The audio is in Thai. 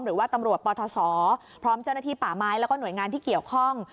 หรือว่าตำรวจปทศพร้อมเจ้าหน้าที่ป่าไม้แล้วก็หน่วยงานที่เกี่ยวข้อง